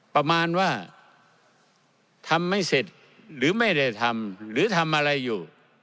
ประมาณว่าทำไม่เสร็จหรือไม่ได้ทำหรือทำอะไรอยู่